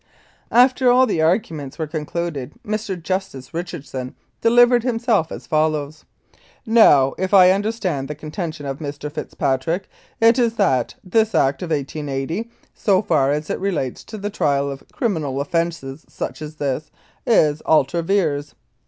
..." After all the arguments were concluded, Mr. Justice Richardson delivered himself as follows: "Now if I understand the contention of Mr. Fitzpatrick, it is that this Act of 1880, so far as it relates to the trial of criminal offences such as this, is ultra vires."